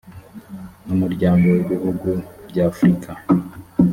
n umuryango w ibihugu by afrika